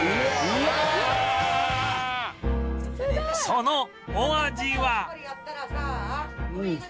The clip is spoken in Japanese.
そのお味は？